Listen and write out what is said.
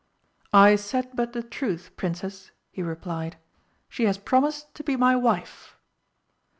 "I said but the truth, Princess," he replied. "She has promised to be my wife."